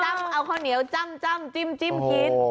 จะได้ไปจ้ำเอาข้าวเหนียวจ้ำจ้ำจิ้มจิ้มกิน